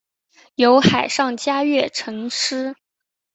有海上嘉月尘诗。